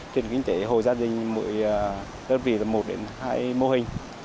trên kinh tế hồ gia đình mỗi đơn vị là một đến hai mô hình